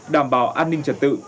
đảm bảo an ninh trật tự